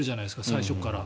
最初から。